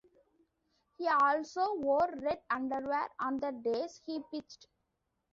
He also wore red underwear on the days he pitched.